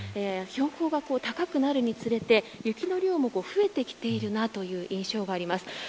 標高が高くなるにつれて雪の量も増えてきているなという印象があります。